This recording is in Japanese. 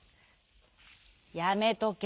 「やめとけ。